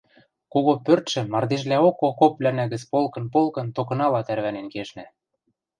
кого пӧртшӹ мардежлӓок окопвлӓнӓ гӹц полкын-полкын токынала тӓрвӓнен кешнӓ.